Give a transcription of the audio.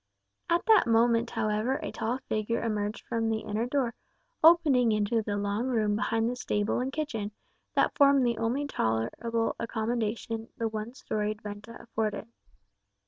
At that moment, however, a tall figure emerged from the inner door, opening into the long room behind the stable and kitchen, that formed the only tolerable accommodation the one storied venta afforded.